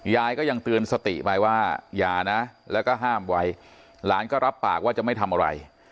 ยายก็ยังเตือนสติไปว่าอย่านะแล้วก็ห้ามไว้หลานก็รับปากว่าจะไม่ทำอะไร